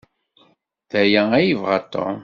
D aya ay yebɣa Tom?